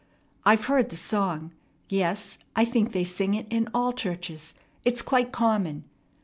"I've heard the song. Yes, I think they sing it in all churches. It's quite common.